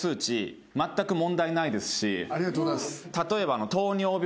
ありがとうございます。